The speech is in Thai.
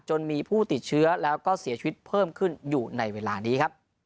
จนมีผู้ติดเชื้อแล้วก็เสียชีวิตเพิ่มขึ้นอยู่ในเวลานี้ครับ